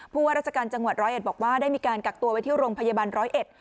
ว่าราชการจังหวัดร้อยเอ็ดบอกว่าได้มีการกักตัวไว้ที่โรงพยาบาลร้อยเอ็ด